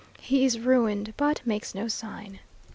He is ruined, but "makes no sign."